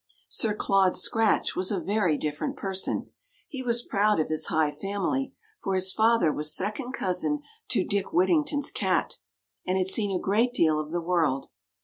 Sir Claude Scratch was a very different person. He was proud of his high family, for his father was second cousin to Dick Whittington's Cat, and had seen a great deal of the world.